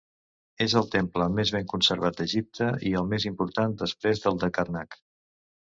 És el temple més ben conservat d'Egipte i el més important després del de Karnak.